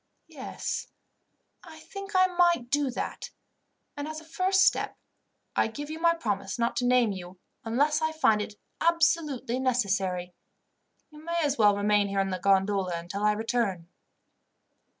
Yes, I think I might do that; and as a first step, I give you my promise not to name you, unless I find it absolutely necessary. You may as well remain here in the gondola until I return."